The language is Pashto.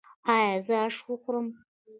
ایا زه اش وخورم؟